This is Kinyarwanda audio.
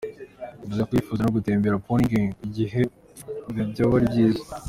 Yavuze ko yipfuza no gutemberera Pyongyang igihe ibihe vyoba ari vyiza.